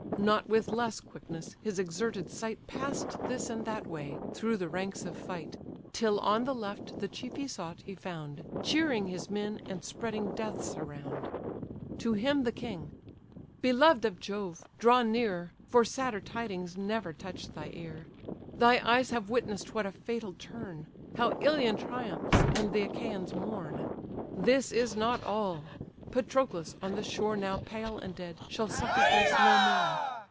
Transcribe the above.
Not with less quickness, his exerted sight Pass'd this and that way, through the ranks of fight: Till on the left the chief he sought, he found, Cheering his men, and spreading deaths around: To him the king: "Beloved of Jove! draw near, For sadder tidings never touch'd thy ear; Thy eyes have witness'd what a fatal turn! How Ilion triumphs, and the Achaians mourn. This is not all: Patroclus, on the shore Now pale and dead, shall succour Greece no more.